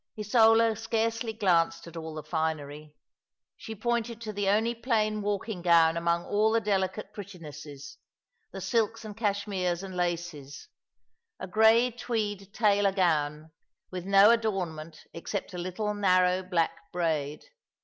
Isola scarcely glanced at all the finery. She pointed to the only plain walking gown among all the delicate pretti cesses, the silks and cashmeres and laces — a grey tweed 3i6 All along the River, tailor goi^, witli no adornmsnt except a little narrow black braid.